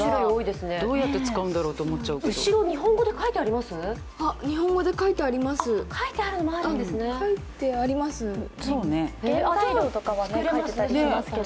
どうやって使うんだろうって思っちゃいますけど。